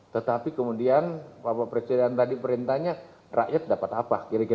tetapi kemudian bapak presiden tadi perintahnya rakyat dapat apa kira kira